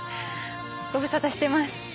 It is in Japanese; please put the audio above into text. ⁉ご無沙汰してます。